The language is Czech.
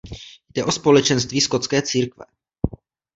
Jde o společenství skotské církve.